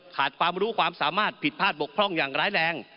ขาดความรู้ความสามารถผิดพลาดบกพร่องอย่างร้ายแรง